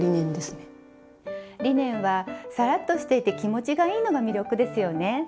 リネンはサラッとしていて気持ちがいいのが魅力ですよね。